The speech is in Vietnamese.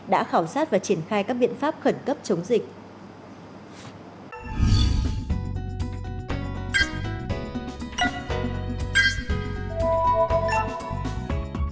đã khảo sát và triển khai các biện pháp khẩn cấp chống dịch